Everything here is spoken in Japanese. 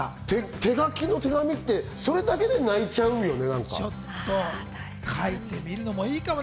手書きの手紙ってそれだけで泣いちゃうよね。